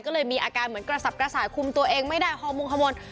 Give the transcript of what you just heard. ก็เลยมีอาการเหมือนกระสับกระส่ายคุมตัวเองไม่ได้ฮอร์โมงฮอร์โมน